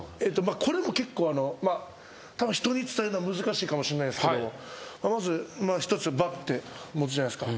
これも結構人に伝えるの難しいかもしんないんすけどまず１つ持つじゃないですか。